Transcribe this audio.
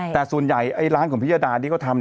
แต่ส่วนใหญ่ไอ้ร้านของพิหยดานี่ก็ทำเนี่ย